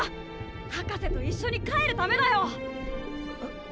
博士と一緒に帰るためだよ！